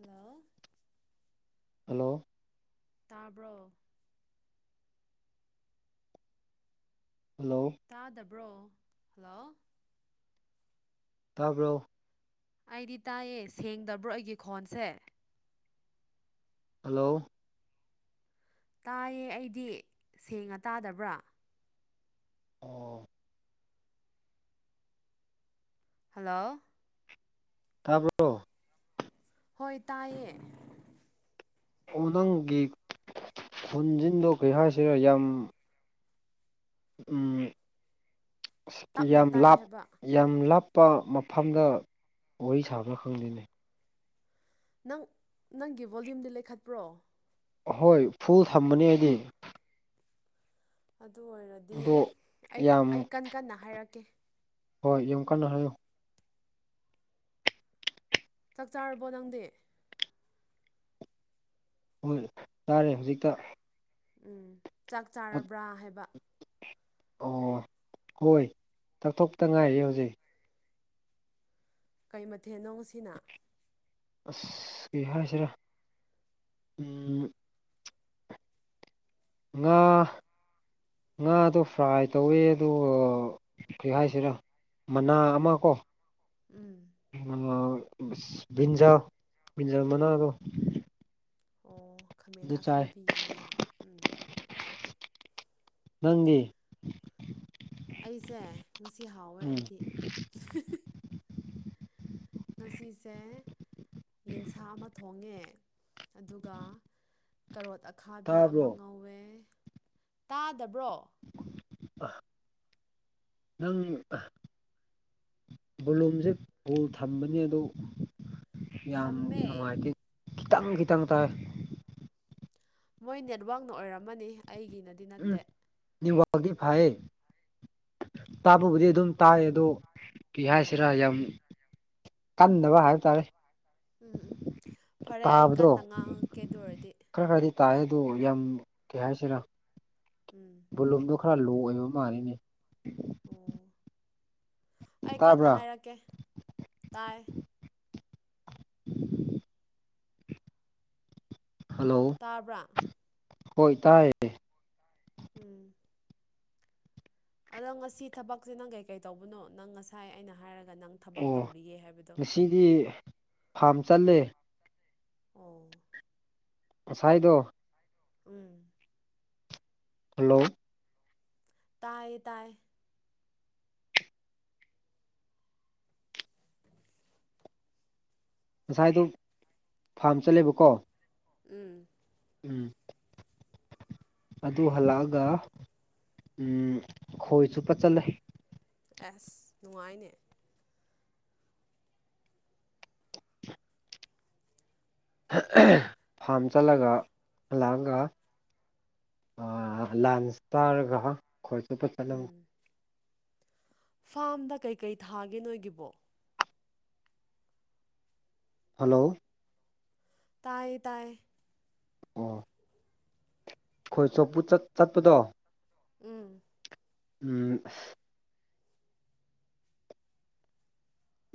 hello hello ꯇꯥꯕ꯭ꯔꯣ hello ꯇꯥꯗꯕ꯭ꯔꯣ hello ꯇꯥꯕ꯭ꯔꯣ ꯑꯩꯗꯤ ꯇꯥꯏꯌꯦ ꯁꯦꯡꯗꯕ꯭ꯔꯣ ꯑꯩꯒꯤ ꯈꯣꯟꯁꯦ ꯍꯜꯂꯣ ꯇꯥꯏꯌꯦ ꯑꯩꯗꯤ ꯁꯦꯡꯅ ꯇꯥꯗꯕ꯭ꯔꯥ ꯑꯣ ꯍꯜꯂꯣ ꯇꯥꯕ꯭ꯔꯣ ꯍꯣꯏ ꯇꯥꯏꯌꯦ ꯅꯪꯒꯤ ꯈꯣꯟꯖꯤꯟꯗꯣ ꯀꯩ ꯍꯥꯏꯁꯤꯔ ꯌꯥꯝ ꯎꯝ ꯑꯁ ꯇꯞꯅ ꯌꯥꯝ ꯇꯥꯏ ꯂꯥꯞ ꯍꯥꯏꯕ ꯌꯥꯝ ꯂꯥꯞꯄ ꯃꯐꯝꯗ ꯋꯥꯔꯤ ꯁꯥꯕ꯭ꯔꯥ ꯈꯪꯗꯦꯅꯦ ꯅꯪ ꯅꯪꯒꯤ ꯚꯣꯂ꯭ꯌꯨꯝꯗꯤ ꯂꯩꯈꯠꯄ꯭ꯔꯣ ꯍꯣꯏ ꯐꯨꯜ ꯊꯝꯕꯅꯦ ꯑꯩꯗꯤ ꯑꯗꯨ ꯑꯣꯏꯔꯗꯤ ꯑꯗꯣ ꯑꯩ ꯌꯥꯝ ꯑꯩ ꯀꯟ ꯀꯟꯅ ꯍꯥꯏꯔꯛꯀꯦ ꯍꯣꯏ ꯌꯥꯝ ꯀꯟꯅ ꯍꯥꯏꯌꯨ ꯆꯥꯛ ꯆꯥꯔꯕꯣ ꯅꯪꯗꯤ ꯍꯣꯏ ꯆꯥꯔꯦ ꯍꯧꯖꯤꯛꯇ ꯎꯝ ꯆꯥꯛ ꯆꯥꯔꯕ꯭ꯔꯥ ꯍꯥꯏꯕ ꯑꯣ ꯍꯣꯏ ꯆꯥꯛ ꯇꯣꯛꯇ ꯉꯥꯏꯔꯤ ꯍꯧꯖꯤꯛ ꯀꯩ ꯃꯊꯦꯜꯅꯣ ꯉꯁꯤ ꯑꯁ ꯀꯩ ꯍꯥꯏꯁꯤꯔꯥ ꯎꯝ ꯉꯥ ꯉꯥꯗꯣ ꯐ꯭ꯔꯥꯏ ꯇꯧꯋꯦ ꯑꯗꯨꯒ ꯀꯔꯤ ꯍꯥꯏꯁꯤꯔꯥ ꯃꯅꯥ ꯑꯃ ꯀꯣ ꯎꯝ ꯃꯅꯥ ꯕ꯭ꯔꯤꯟꯖꯥꯜ ꯕ꯭ꯔꯤꯟꯖꯥꯜ ꯃꯅꯥꯗꯣ ꯑꯣ ꯈꯥꯃꯦꯟ ꯑꯗꯨ ꯆꯥꯏ ꯑꯈꯥꯕꯤꯒꯤ ꯃꯅꯥ ꯎꯝ ꯅꯪꯗꯤ ꯑꯩꯁꯦ ꯉꯁꯤ ꯍꯥꯎꯋꯦ ꯎꯝ ꯑꯩꯗꯤ ꯉꯁꯤꯁꯦ ꯌꯦꯟꯁꯥ ꯑꯃ ꯊꯣꯡꯉꯦ ꯑꯗꯨꯒ ꯀꯔꯣꯠ ꯑꯈꯥꯕꯤ ꯑꯃ ꯇꯥꯕ꯭ꯔꯣ ꯉꯧꯋꯦ ꯇꯥꯗꯕ꯭ꯔꯣ ꯑꯥ ꯅꯪ ꯚꯣꯂꯨꯝꯁꯦ ꯐꯨꯜ ꯊꯝꯕꯅꯤ ꯑꯗꯨ ꯌꯥꯝ ꯊꯝꯃꯦ ꯅꯨꯡꯉꯥꯏꯇꯦ ꯈꯤꯇꯪ ꯈꯤꯇꯪ ꯇꯥꯏ ꯃꯣꯏ ꯅꯦꯠꯋꯥꯛꯅ ꯑꯣꯏꯔꯝꯃꯅꯤ ꯑꯩꯒꯤ ꯎꯝ ꯅꯦꯠꯋꯥꯔꯛꯇꯤ ꯐꯩ ꯇꯥꯕꯕꯨꯗꯤ ꯑꯗꯨꯝ ꯇꯥꯏ ꯑꯗꯨ ꯀ꯭ꯔꯤ ꯎꯝ ꯍꯥꯏꯁꯤꯔ ꯌꯥꯝ ꯀꯟꯗꯕ ꯍꯥꯏꯕ ꯇꯥꯔꯦ ꯎꯝ ꯎꯝ ꯐꯔꯦ ꯑꯩ ꯇꯥꯕꯗꯣ ꯀꯟꯅ ꯉꯥꯡꯉꯛꯀꯦ ꯑꯗꯨ ꯑꯣꯏꯔꯗꯤ ꯈꯔ ꯈꯔꯗꯤ ꯇꯥꯏ ꯑꯗꯣ ꯌꯥꯝ ꯀꯩ ꯍꯥꯏꯁꯤꯔ ꯎꯝ ꯕꯣꯂꯨꯝꯗꯣ ꯈꯔ ꯂꯣ ꯑꯣꯏꯕ ꯃꯥꯜꯂꯦꯅꯦ ꯑꯣ ꯑꯩ ꯀꯟꯅ ꯇꯥꯕ꯭ꯔꯥ ꯍꯥꯏꯔꯛꯀꯦ ꯇꯥꯏ [inaudible] ꯍꯜꯂꯣ ꯇꯥꯕ꯭ꯔꯥ ꯍꯣꯏ ꯇꯥꯏ ꯎꯝ ꯑꯗꯣ ꯉꯁꯤ ꯊꯕꯛꯁꯦ ꯅꯪ ꯀꯩ ꯀꯩ ꯇꯧꯕꯅꯣ ꯅꯪ ꯉꯁꯥꯏ ꯑꯩꯅ ꯍꯥꯏꯔꯒ ꯅꯪ ꯊꯕꯛ ꯑꯣ ꯇꯧꯔꯤꯌꯦ ꯍꯥꯏꯕꯗꯣ ꯉꯁꯤꯗꯤ ꯐꯥꯝ ꯆꯠꯂꯦ ꯑꯣ ꯉꯁꯥꯏꯗꯣ ꯎꯝ ꯍꯜꯂꯣ ꯇꯥꯏ ꯇꯥꯏ ꯉꯁꯥꯏꯗꯣ ꯐꯥꯔꯝ ꯆꯠꯂꯦꯕꯀꯣ ꯎꯝ ꯎꯝ ꯑꯗꯨ ꯍꯜꯂꯛꯑꯒ ꯎꯝ ꯈꯣꯏ ꯆꯣꯞꯄ ꯆꯠꯂꯦ ꯑꯁ ꯅꯨꯡꯉꯥꯏꯅꯦ ꯐꯥꯝ ꯆꯠꯂꯒ ꯍꯥꯜꯂꯥꯛꯑꯒ ꯑ ꯂꯥꯟꯁ ꯆꯥꯔꯒ ꯈꯣꯏ ꯆꯣꯞꯄ ꯆꯠꯂꯦ ꯐꯥꯝꯗ ꯀꯩꯀꯩ ꯊꯥꯒꯦ ꯅꯣꯏꯒꯤꯕꯣ ꯍꯜꯂꯣ ꯇꯥꯏꯌꯦ ꯇꯥꯏꯌꯦ ꯑꯣ ꯈꯣꯏ ꯆꯣꯞꯄ ꯆꯠ ꯆꯠꯄꯗꯣ ꯎꯝ ꯎꯝ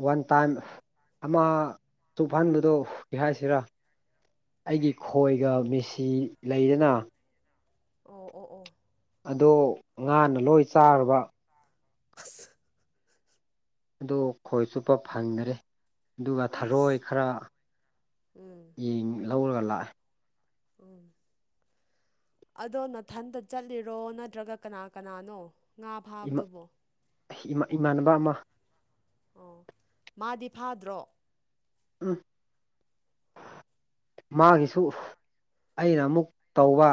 ꯋꯥꯟ ꯇꯥꯏꯝ ꯑꯃ ꯆꯣꯞꯍꯟꯕꯗꯣ ꯀꯩ ꯍꯥꯏꯁꯤꯔꯥ ꯑꯩꯒꯤ ꯈꯣꯏꯒ ꯃꯦꯁꯤ ꯂꯩꯗꯅ ꯑꯣ ꯑꯣ ꯑꯣ ꯑꯗꯣ ꯉꯥꯅ ꯂꯣꯏ ꯆꯥꯔꯕ ꯑꯁ ꯑꯗꯨ ꯈꯣꯏ ꯆꯣꯞꯄ ꯐꯪꯗ꯭ꯔꯦ ꯑꯗꯨꯒ ꯊꯔꯣꯏ ꯑꯩꯁ ꯈꯔ ꯎꯝ ꯌꯦꯡ ꯂꯧꯔꯒ ꯂꯥꯛꯑꯦ ꯎꯝ ꯑꯗꯣ ꯅꯊꯟꯇ ꯆꯠꯂꯤꯔꯣ ꯅꯠꯇ꯭ꯔꯒ ꯀꯅꯥ ꯀꯅꯥꯅꯣ ꯉꯥ ꯏꯃꯥ ꯐꯥꯕꯗꯨꯕꯣ ꯏꯃꯥꯟꯅꯕ ꯑꯃ ꯑꯣ ꯃꯥꯗꯤ ꯐꯥꯗ꯭ꯔꯣ ꯎꯝ ꯃꯥꯒꯤꯁꯨ ꯑꯩꯅ ꯑꯃꯨꯛ ꯇꯧꯕ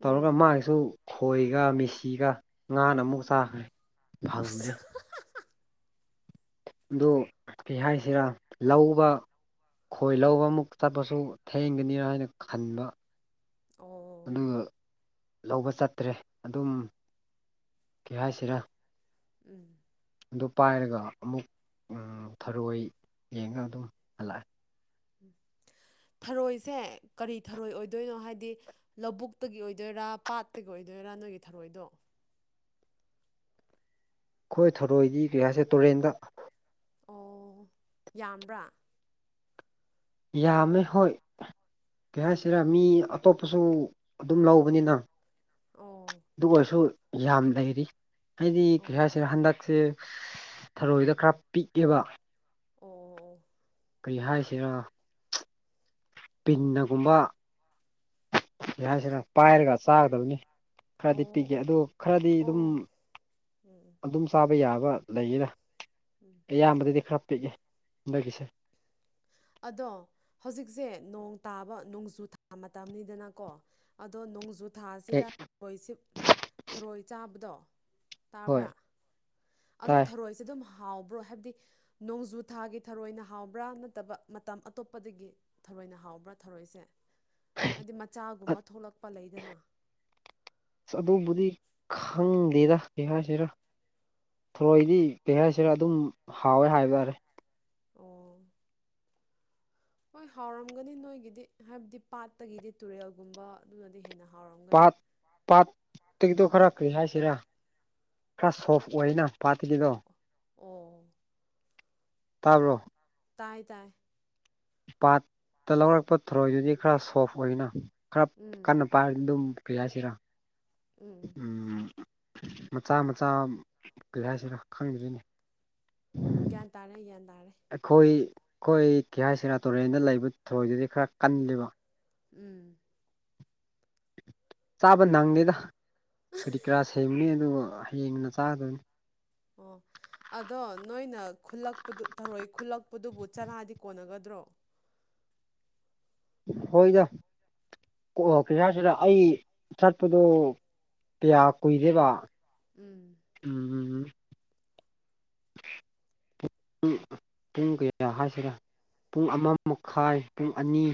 ꯇꯧꯔꯒ ꯎꯝ ꯃꯥꯒꯤꯁꯨ ꯈꯣꯏꯒ ꯃꯦꯁꯤꯒ ꯉꯥꯅ ꯑꯃꯨꯛ ꯆꯥꯈ꯭ꯔꯦ ꯐꯪꯗ꯭ꯔꯦ ꯑꯁ ꯑꯗꯨ ꯀꯩ ꯍꯥꯏꯁꯤꯔꯥ ꯂꯧꯕ ꯈꯣꯏ ꯂꯧꯕ ꯑꯃꯨꯛ ꯆꯠꯄꯁꯨ ꯊꯦꯡꯒꯅꯤ ꯍꯥꯏꯅ ꯈꯟꯕ ꯑꯣ ꯑꯗꯨꯒ ꯂꯧꯕ ꯆꯠꯇ꯭ꯔꯦ ꯑꯗꯨꯝ ꯀꯩ ꯍꯥꯏꯁꯤꯔꯥ ꯎꯝ ꯑꯗꯨ ꯄꯥꯏꯔꯒ ꯑꯃꯨꯛ ꯊꯔꯣꯏ ꯌꯦꯡꯉ ꯑꯗꯨꯝ ꯍꯜꯂꯛꯑꯦ ꯊꯔꯣꯏꯁꯦ ꯀꯔꯤ ꯊꯔꯣꯏ ꯑꯣꯏꯗꯣꯏꯅꯣ ꯍꯥꯏꯗꯤ ꯂꯧꯕꯨꯛꯇꯒꯤ ꯑꯣꯏꯗꯣꯏꯔꯥ ꯄꯥꯠꯇꯒꯤ ꯑꯣꯏꯗꯣꯏꯔꯥ ꯅꯣꯏꯒꯤ ꯊꯔꯣꯏꯗꯣ ꯑꯩꯈꯣꯏ ꯊꯧꯔꯣꯏꯗꯤ ꯀꯩ ꯍꯥꯏꯁꯤꯔ ꯇꯨꯔꯦꯟꯗ ꯑꯣ ꯌꯥꯝꯕ꯭ꯔꯥ ꯌꯥꯝꯃꯦ ꯍꯣꯏ ꯀꯩ ꯍꯥꯏꯁꯤꯔꯥ ꯃꯤ ꯑꯇꯣꯞꯄꯁꯨ ꯑꯗꯨꯝ ꯂꯧꯕꯅꯤꯅ ꯑꯣ ꯑꯗꯨ ꯑꯣꯏꯔꯁꯨ ꯌꯥꯝ ꯂꯩꯔꯤ ꯍꯥꯏꯗꯤ ꯀꯔꯤ ꯑꯣ ꯍꯥꯏꯁꯤꯔꯥ ꯍꯟꯗꯛꯁꯦ ꯊꯔꯣꯏꯗ ꯈꯔ ꯄꯤꯛꯑꯦꯕ ꯑꯣ ꯑꯣ ꯀꯔꯤ ꯍꯥꯏꯁꯤꯔ ꯄꯤꯟꯅꯒꯨꯝꯕ ꯀꯩ ꯍꯥꯏꯁꯤꯅ ꯄꯥꯏꯔꯒ ꯆꯥꯒꯗꯕꯅꯤ ꯑꯣ ꯈꯔꯗꯤ ꯑꯣ ꯄꯤꯛꯑꯦ ꯑꯣ ꯑꯗꯨ ꯈꯔꯗꯤ ꯑꯗꯨꯝ ꯑꯣ ꯎꯝ ꯑꯗꯨꯝ ꯆꯥꯕ ꯌꯥꯕ ꯂꯩꯌꯦꯅ ꯎꯝ ꯑꯌꯥꯝꯕꯗꯗꯤ ꯈꯔ ꯄꯤꯛꯑꯦ ꯍꯟꯗꯛꯀꯤꯁꯦ ꯑꯗꯣ ꯍꯧꯖꯤꯛꯁꯦ ꯅꯣꯡ ꯇꯥꯕ ꯅꯣꯡꯖꯨ ꯊꯥ ꯃꯇꯝꯅꯤꯗꯅꯀꯣ ꯑꯗꯣ ꯅꯣꯡꯖꯨꯊꯥꯁꯤꯗ ꯀꯦꯛ ꯊꯔꯣꯏꯁꯤ ꯊꯔꯣꯏ ꯆꯥꯕꯗꯣ ꯍꯣꯏ ꯇꯥꯕ꯭ꯔꯥ ꯑꯗꯣ ꯇꯥꯏ ꯊꯔꯣꯏꯁꯦ ꯑꯗꯨꯝ ꯍꯥꯎꯕ꯭ꯔꯣ ꯍꯥꯏꯕꯗꯤ ꯅꯣꯡꯖꯨ ꯊꯥꯒꯤ ꯊꯔꯣꯏꯅ ꯍꯥꯎꯕ꯭ꯔꯥ ꯅꯠꯇꯕ ꯃꯇꯝ ꯑꯇꯣꯞꯄꯗꯒꯤ ꯊꯔꯣꯏꯅ ꯍꯥꯎꯕ꯭ꯔꯥ ꯊꯔꯣꯏꯁꯦ ꯍꯥꯏꯗꯤ ꯃꯆꯥꯒꯨꯝꯕ ꯊꯣꯛꯂꯛꯄ ꯂꯩꯗꯅ ꯑꯗꯨꯕꯨꯗꯤ ꯈꯪꯗꯦꯗ ꯀꯩ ꯍꯥꯏꯁꯤꯔ ꯊꯔꯣꯏꯗꯤ ꯀꯩ ꯍꯥꯏꯁꯤꯔ ꯑꯗꯨꯝ ꯍꯥꯎꯋꯦ ꯍꯥꯏꯕ ꯌꯥꯔꯦ ꯑꯣ ꯍꯣꯏ ꯍꯥꯎꯔꯝꯒꯅꯤ ꯅꯣꯏꯒꯤꯗꯤ ꯍꯥꯏꯕꯗꯤ ꯄꯥꯠꯇꯒꯤꯗꯤ ꯇꯨꯔꯦꯜꯒꯨꯝꯕ ꯑꯗꯨꯅꯗꯤ ꯍꯦꯟꯅ ꯍꯥꯎꯔꯝꯒꯅꯤ ꯄꯥꯥꯠ ꯄꯥꯥꯠ ꯈꯔ ꯀꯔꯤ ꯍꯥꯏꯁꯤꯔꯥ ꯈꯔ ꯁꯣꯐ ꯑꯣꯏꯅ ꯄꯥꯇꯒꯤꯗꯣ ꯑꯣ ꯇꯥꯕ꯭ꯔꯣ ꯇꯥꯏ ꯇꯥꯏ ꯄꯥꯠꯇ ꯂꯧꯔꯛꯄ ꯊꯔꯣꯏꯗꯨꯗꯤ ꯈꯔ ꯁꯣꯐ ꯑꯣꯏꯅ ꯈꯔ ꯎꯝ ꯀꯟꯅ [unintelligible] ꯑꯗꯨꯝ ꯀꯔꯤ ꯍꯥꯏꯁꯤꯔꯥ ꯎꯝ ꯃꯆꯥ ꯃꯆꯥ ꯀꯩ ꯍꯥꯏꯁꯤꯔꯥ ꯈꯪꯗ꯭ꯔꯦꯅꯦ ꯒ꯭ꯌꯥꯟ ꯇꯥꯔꯦ ꯒ꯭ꯌꯥꯟ ꯇꯥꯔꯦ ꯑꯩꯈꯣꯏ ꯑꯩꯈꯣꯏ ꯀꯩ ꯍꯥꯏꯁꯤꯔꯥ ꯇꯨꯔꯦꯟꯗ ꯂꯩꯕ ꯊꯔꯣꯏꯗꯨꯗꯤ ꯈꯔ ꯀꯜꯂꯤꯕ ꯎꯝ ꯆꯥꯕ ꯅꯪꯗꯦꯗ ꯀꯔꯤ ꯀꯔꯥ ꯁꯦꯡꯕꯅꯤ ꯑꯗꯨꯒ ꯍꯌꯦꯡꯅ ꯆꯥꯒꯗꯕꯅꯤ ꯑꯣ ꯑꯗꯣ ꯅꯣꯏꯅ ꯈꯨꯜꯂꯛꯄꯗꯨ ꯊꯔꯣꯏ ꯈꯨꯜꯂꯛꯄꯗꯨꯕꯨ ꯆꯔꯥꯗꯤ ꯀꯣꯟꯅꯒꯗ꯭ꯔꯣ ꯍꯣꯏꯗ ꯀꯣ ꯀꯩ ꯍꯥꯏꯁꯤꯔꯥ ꯑꯩ ꯆꯠꯄꯗꯣ ꯄꯌꯥ ꯀꯨꯏꯔꯦꯕ ꯎꯝ ꯎꯝꯃꯝ ꯄꯨꯡ ꯀꯌꯥ ꯍꯥꯏꯁꯤꯔ ꯄꯨꯡ ꯑꯃ ꯃꯈꯥꯏ ꯄꯨꯡ ꯑꯅꯤ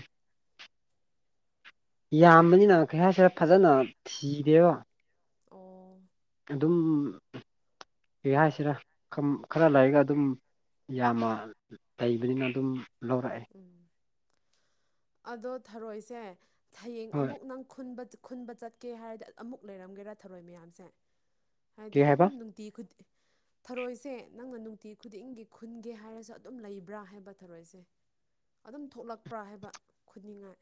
ꯌꯥꯝꯕꯅꯤꯅ ꯀꯩ ꯍꯥꯏꯁꯤꯔ ꯐꯥꯖꯅ ꯊꯤꯗꯦꯕ ꯑꯣ ꯑꯗꯨꯝ ꯀꯩ ꯍꯥꯏꯁꯤꯔ ꯈꯝ ꯈꯔ ꯂꯩꯔꯒ ꯑꯗꯨꯝ ꯌꯥꯝꯃꯥ ꯂꯩꯕꯅꯤꯅ ꯑꯗꯨꯝ ꯂꯧꯔꯛꯑꯦ ꯎꯝ ꯑꯗꯣ ꯊꯔꯣꯏꯁꯦ ꯍꯌꯦꯡ ꯍꯣꯏ ꯑꯃꯨꯛ ꯅꯪ ꯈꯨꯟꯕ ꯆꯠ ꯈꯨꯟꯕ ꯆꯠꯀꯦ ꯍꯥꯏꯔꯗꯤ ꯑꯃꯨꯛ ꯂꯩꯔꯝꯒꯦꯔꯥ ꯊꯔꯣꯏ ꯃꯌꯥꯝꯁꯦ ꯍꯥꯏꯗꯤ ꯀꯩ ꯑꯗꯨꯝ ꯍꯥꯏꯕ ꯅꯨꯡꯇꯤ ꯈꯨꯗꯤꯡ ꯊꯔꯣꯏꯁꯦ ꯅꯪꯅ ꯅꯨꯡꯇꯤ ꯈꯨꯗꯤꯡꯒꯤ ꯈꯨꯟꯒꯦ ꯍꯥꯏꯔꯁꯨ ꯑꯗꯨꯝ ꯂꯩꯕ꯭ꯔꯥ ꯍꯥꯏꯕ ꯊꯔꯣꯏꯁꯦ ꯑꯗꯨꯝ ꯊꯣꯛꯂꯛꯄ꯭ꯔꯥ ꯍꯥꯏꯕ ꯈꯨꯅꯤꯡꯉꯥꯏ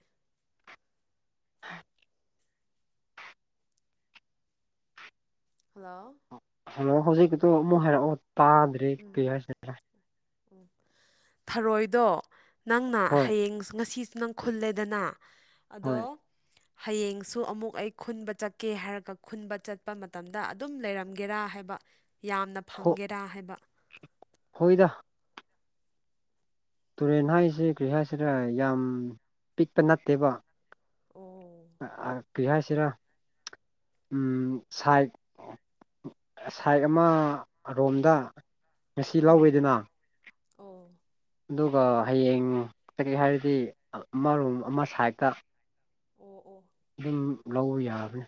ꯍꯜꯂꯣ ꯍꯜꯂꯣ ꯍꯧꯖꯤꯛꯀꯤꯗꯣ ꯑꯃꯨꯛ ꯍꯥꯏꯔꯛꯑꯣ ꯇꯥꯗ꯭ꯔꯦ ꯀꯩ ꯍꯥꯏꯁꯤ [unintelligible] ꯊꯔꯣꯏꯗꯣ ꯅꯪꯅ ꯍꯣꯏ ꯍꯌꯦꯡ ꯉꯁꯤꯁꯨ ꯅꯪ ꯈꯨꯜꯂꯦꯗꯅ ꯑꯗꯣ ꯍꯣꯏ ꯍꯌꯦꯡꯁꯨ ꯑꯃꯨꯛ ꯑꯩ ꯈꯨꯟꯕ ꯆꯠꯀꯦ ꯍꯥꯏꯔꯒ ꯈꯨꯟꯕ ꯆꯠꯄ ꯃꯇꯝꯗ ꯑꯗꯨꯝ ꯂꯩꯔꯝꯒꯦꯔꯥ ꯍꯥꯏꯕ ꯌꯥꯝꯅ ꯍꯣ ꯐꯪꯒꯦꯔꯥ ꯍꯥꯏꯕ ꯍꯣꯏꯗ ꯇꯨꯔꯦꯟ ꯍꯥꯏꯁꯦ ꯀꯔꯤ ꯍꯥꯏꯁꯤꯔ ꯌꯥꯝ ꯄꯤꯛꯄ ꯅꯠꯇꯦꯕ ꯑꯣ ꯑꯥ ꯀꯔꯤ ꯍꯥꯏꯁꯤꯔ ꯎꯝ ꯁꯥꯏꯠ ꯁꯥꯏꯠ ꯑꯃ ꯔꯣꯝꯗ ꯉꯁꯤ ꯎꯝ ꯂꯧꯋꯦꯗꯅ ꯑꯣ ꯑꯗꯨꯒ ꯍꯌꯦꯡ ꯆꯠꯀꯦ ꯍꯥꯏꯔꯗꯤ ꯑꯃꯔꯣꯝ ꯑꯃ ꯁꯥꯏꯠꯇ ꯑꯣ ꯑꯣ ꯑꯗꯨꯝ ꯂꯧꯕ ꯌꯥꯕꯅꯦ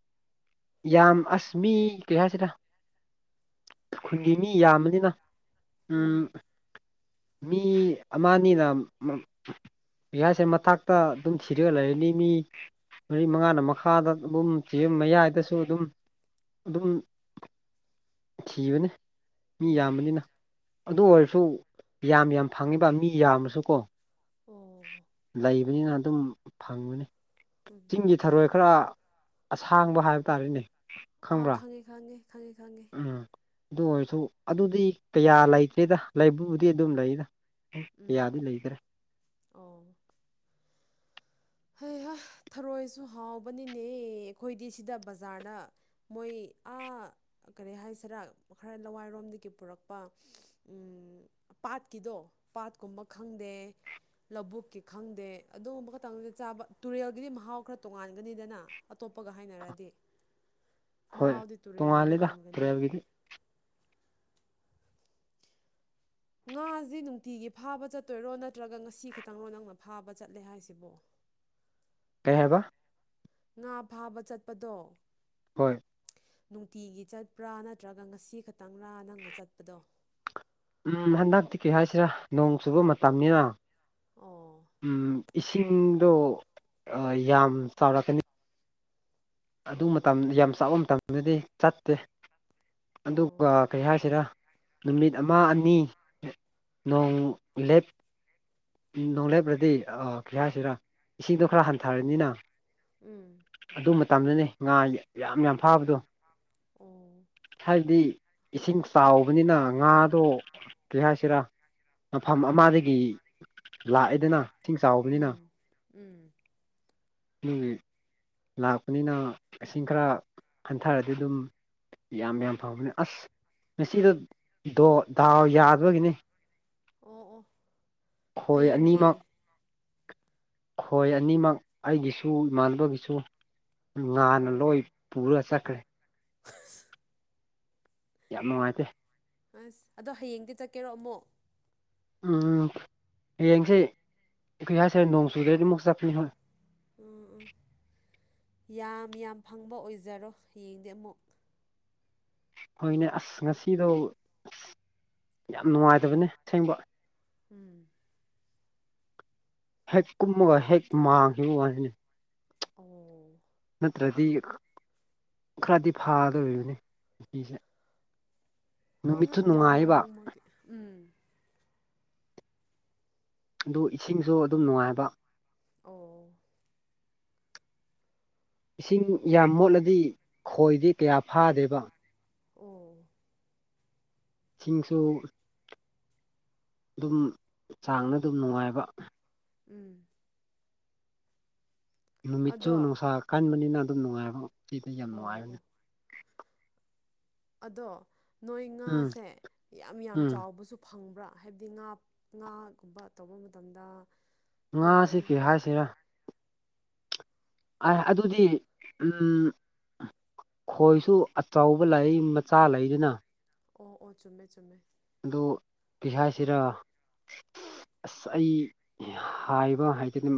ꯌꯥꯝ ꯑꯁ ꯃꯤ ꯀꯩꯍꯥꯏꯁꯤꯔ ꯈꯨꯟꯒꯤ ꯃꯤ ꯌꯥꯝꯕꯅꯤꯅ ꯎꯝ ꯃꯤ ꯑꯃꯅꯤꯅ ꯀꯩ ꯍꯥꯏꯁꯤꯔ ꯃꯊꯛꯇ ꯑꯗꯨꯝ ꯊꯤꯔꯒ ꯂꯩꯔꯅꯤ ꯃꯤ ꯃꯔꯤ ꯃꯉꯥꯅ ꯃꯈꯥꯗ ꯑꯗꯨꯝ ꯊꯤꯕ ꯃꯌꯥꯏꯗꯁꯨ ꯑꯗꯨꯝ ꯑꯗꯨꯝ ꯊꯤꯕꯅꯦ ꯃꯤ ꯎꯝ ꯌꯥꯝꯕꯅꯤꯅ ꯑꯗꯨ ꯑꯣꯏꯔꯁꯨ ꯌꯥꯝ ꯌꯥꯝ ꯐꯪꯉꯦꯕ ꯃꯤ ꯌꯥꯝꯃꯁꯨꯀꯣ ꯑꯣ ꯂꯩꯕꯅꯤꯅ ꯑꯗꯨꯝ ꯐꯪꯕꯅꯦ ꯎꯝ ꯆꯤꯡꯒꯤ ꯊꯔꯣꯏ ꯈꯔ ꯑꯁꯥꯡꯕ ꯍꯥꯏꯕ ꯇꯥꯔꯦꯅꯦ ꯑꯥ ꯈꯪꯕ꯭ꯔꯥ ꯈꯪꯉꯦ ꯈꯪꯉꯦ ꯈꯪꯉꯦ ꯈꯪꯉꯦ ꯎꯝ ꯑꯗꯨ ꯑꯣꯏꯔꯁꯨ ꯑꯗꯨꯗꯤ ꯀꯌꯥ ꯂꯩꯇ꯭ꯔꯦꯗ ꯂꯩꯕꯕꯨꯗꯤ ꯑꯗꯨꯝ ꯂꯩꯗ ꯎꯝ ꯀꯌꯥꯗꯤ ꯂꯩꯇ꯭ꯔꯦ ꯑꯣ ꯍꯩ ꯍꯥ ꯊꯔꯣꯏꯁꯨ ꯍꯥꯎꯕꯅꯤꯅꯦ ꯑꯩꯈꯣꯏꯗꯤ ꯁꯤꯗ ꯕꯖꯥꯔꯗ ꯃꯣꯏ ꯑꯥ ꯀꯔꯤ ꯍꯥꯏꯁꯤꯔ ꯈꯔ ꯂꯋꯥꯏꯔꯣꯝꯗꯒꯤ ꯄꯨꯔꯛꯄ ꯎꯝ ꯄꯥꯠꯀꯤꯗꯣ ꯄꯥꯠꯀꯨꯝꯕ ꯈꯪꯗꯦ ꯂꯧꯕꯨꯛꯀꯤ ꯈꯪꯗꯦ ꯑꯗꯨꯒꯨꯝꯕ ꯈꯇꯪ ꯆꯥꯕ ꯇꯨꯔꯦꯜꯒꯤꯗꯤ ꯃꯍꯥꯎ ꯈꯔ ꯇꯣꯡꯉꯥꯟꯒꯅꯤꯗꯅ ꯑꯇꯣꯞꯄꯒ ꯍꯥꯏꯅꯔꯗꯤ ꯍꯣꯏ ꯃꯍꯥꯎꯗꯤ ꯇꯨꯔꯦꯜꯅꯗꯤ ꯇꯣꯡꯉꯥꯜꯂꯤꯗ ꯍꯦꯟꯒꯅꯤ ꯇꯨꯔꯦꯜꯒꯤꯗꯤ ꯉꯥꯖꯦ ꯅꯨꯡꯇꯤꯒꯤ ꯐꯥꯕ ꯆꯠꯇꯣꯏꯔꯣ ꯅꯠꯇ꯭ꯔꯒ ꯉꯁꯤ ꯈꯇꯪꯔꯣ ꯅꯪꯅ ꯐꯥꯕ ꯆꯠꯂꯦ ꯍꯥꯏꯁꯤꯕꯣ ꯀꯩ ꯍꯥꯏꯕ ꯉꯥ ꯐꯥꯕ ꯆꯠꯄꯗꯣ ꯍꯣꯏ ꯅꯨꯡꯇꯤꯒꯤ ꯆꯠꯄ꯭ꯔꯥ ꯅꯠꯇ꯭ꯔꯒ ꯉꯁꯤ ꯈꯛꯇꯪꯔꯥ ꯅꯪꯅ ꯆꯠꯄꯗꯣ ꯎꯝ ꯍꯟꯗꯛꯇꯤ ꯀꯩ ꯍꯥꯏꯁꯤꯔꯥ ꯅꯣꯡ ꯆꯨꯕ ꯃꯇꯝꯅꯤꯅ ꯑꯣ ꯎꯝ ꯏꯁꯤꯡꯗꯣ ꯑ ꯌꯥꯝ ꯆꯥꯎꯔꯛꯀꯅꯤ ꯑꯗꯨ ꯃꯇꯝ ꯑꯣ ꯌꯥꯝ ꯆꯥꯎꯕ ꯃꯇꯝꯗꯗꯤ ꯆꯠꯇꯦ ꯑꯣ ꯑꯗꯨꯒ ꯀꯩ ꯍꯥꯏꯁꯤꯔꯥ ꯅꯨꯃꯤꯠ ꯑꯃ ꯑꯅꯤ ꯅꯣꯡ ꯂꯦꯞ ꯅꯣꯡ ꯂꯦꯞꯔꯗꯤ ꯑ ꯀ꯭ꯔꯤ ꯍꯥꯏꯁꯤꯔ ꯏꯁꯤꯡꯗꯣ ꯈꯔ ꯍꯟꯊꯔꯅꯤꯅ ꯎꯝ ꯑꯗꯨ ꯃꯇꯝꯗꯅꯤ ꯉꯥ ꯌꯥꯝ ꯌꯥꯝ ꯐꯥꯕꯗꯣ ꯑꯣ ꯍꯥꯏꯕꯗꯤ ꯏꯁꯤꯡ ꯆꯥꯎꯕꯅꯤꯅ ꯉꯥꯗꯣ ꯀꯩ ꯍꯥꯏꯁꯤꯔꯥ ꯃꯐꯝ ꯑꯃꯗꯒꯤ ꯂꯥꯛꯑꯦꯗꯅ ꯏꯁꯤꯡ ꯆꯥꯎꯕꯅꯤꯅ ꯎꯝ ꯎꯝ ꯑꯗꯨꯒꯤ ꯂꯥꯛꯄꯅꯤꯅ ꯏꯁꯤꯡ ꯈꯔ ꯍꯟꯊꯔꯗꯤ ꯑꯗꯨꯝ ꯌꯥꯝ ꯌꯥꯝ ꯐꯕꯅꯦ ꯑꯁ ꯉꯁꯤꯗ ꯗꯣ ꯗꯥꯎ ꯌꯥꯕꯒꯤꯅꯤ ꯑꯣ ꯑꯣ ꯈꯣꯏ ꯍꯌꯦꯡꯗꯤ ꯑꯅꯤꯃꯛ ꯈꯣꯏ ꯑꯅꯤꯃꯛ ꯑꯩꯒꯤꯁꯨ ꯏꯃꯥꯟꯅꯕꯒꯤꯁꯨ ꯉꯥꯟꯅ ꯂꯣꯏ ꯑꯣ ꯄꯨꯔꯥ ꯆꯠꯈꯔꯦ [unintelligible] ꯌꯥꯝ ꯅꯨꯡꯉꯥꯏꯇꯦ ꯑꯁ ꯑꯗꯣ ꯍꯌꯦꯡꯗꯤ ꯆꯠꯀꯦꯔꯣ ꯑꯃꯨꯛ ꯎꯝ ꯍꯌꯦꯡꯁꯦ ꯀ꯭ꯔꯤ ꯍꯥꯏꯁꯤꯔꯥ ꯅꯣꯡ ꯆꯨꯗꯥꯗꯤ ꯑꯃꯨꯛ ꯆꯠꯄꯅꯤ ꯈꯣꯏ ꯎꯝ ꯎꯝ ꯌꯥꯝ ꯌꯥꯝ ꯐꯪꯕ ꯑꯣꯏꯖꯔꯣ ꯍꯌꯦꯡꯗꯤ ꯑꯃꯨꯛ ꯍꯣꯏꯅꯦ ꯑꯁ ꯉꯁꯤꯗꯣ ꯌꯥꯝ ꯅꯨꯡꯉꯥꯏꯇꯕꯅꯦ ꯑꯁꯦꯡꯕ ꯎꯝ ꯍꯦꯛ ꯀꯨꯝꯃꯒ ꯍꯦꯛ ꯃꯥꯡꯈꯤꯕ ꯋꯥꯅꯤꯅꯦ ꯑꯣ ꯅꯠꯇ꯭ꯔꯗꯤ ꯈꯔꯗꯤ ꯐꯥꯗꯣꯔꯤꯕꯅꯤ ꯉꯁꯤꯁꯦ ꯍꯣꯏ ꯅꯨꯃꯤꯠꯁꯨ ꯍꯣꯏ ꯅꯣꯡꯃ ꯅꯨꯡꯉꯥꯏꯕ ꯅꯣꯡꯃꯒꯤ ꯎꯝ ꯑꯗꯨ ꯏꯁꯤꯡꯁꯨ ꯑꯗꯨꯝ ꯅꯨꯡꯉꯥꯏꯕ ꯑꯣ꯬꯬꯬ ꯏꯁꯤꯡ ꯌꯥꯝ ꯃꯣꯠꯂꯗꯤ ꯈꯣꯏꯗꯤ ꯀꯌꯥ ꯐꯥꯗꯦꯕ ꯑꯣ ꯁꯤꯡꯁꯨ ꯑꯗꯨꯝ ꯆꯥꯡꯗ ꯑꯗꯨꯝ ꯅꯨꯡꯉꯥꯏꯕ ꯎꯝ ꯅꯨꯃꯤꯠꯁꯨ ꯑꯗꯣ ꯑꯣ ꯅꯨꯡꯁꯥ ꯀꯟꯕꯅꯤꯅ ꯑꯗꯨꯝ ꯅꯨꯡꯉꯥꯏꯕ ꯁꯤꯗꯤ ꯌꯥꯝ ꯑꯣ ꯅꯨꯡꯉꯥꯏꯕꯅꯦ ꯑꯗꯣ ꯅꯣꯏ ꯎꯝ ꯉꯥꯁꯦ ꯌꯥꯝ ꯌꯥꯝ ꯎꯝ ꯆꯥꯎꯕꯁꯨ ꯐꯪꯕ꯭ꯔꯥ ꯍꯥꯏꯕꯗꯤ ꯉꯥ ꯉꯥꯒꯨꯝꯕ ꯇꯧꯕ ꯃꯇꯝꯗ ꯌꯥꯝ ꯉꯥꯁꯦ ꯀꯩ ꯍꯥꯏꯁꯤꯔꯥ ꯑꯩ ꯑꯗꯨꯗꯤ ꯎꯝ ꯈꯣꯏꯁꯨ ꯑꯆꯧꯕ ꯂꯩ ꯃ ꯆꯥ ꯂꯩꯗꯅ ꯑꯣ ꯑꯣ ꯆꯨꯝꯃꯦ ꯆꯨꯝꯃꯦ ꯑꯗꯨ ꯀꯩ ꯍꯥꯏꯁꯤꯔ ꯑꯁ ꯑꯩ ꯍꯥꯏꯕ ꯍꯩꯇꯦꯅꯦ